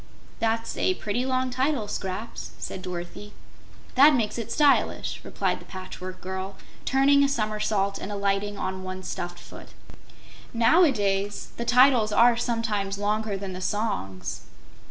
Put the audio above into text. '" "That's a pretty long title, Scraps," said Dorothy. "That makes it stylish," replied the Patchwork Girl, turning a somersault and alighting on one stuffed foot. "Now a days the titles are sometimes longer than the songs."